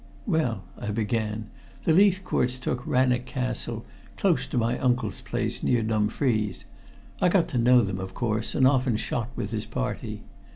"Well," I began, "the Leithcourts took Rannoch Castle, close to my uncle's place, near Dumfries. I got to know them, of course, and often shot with his party.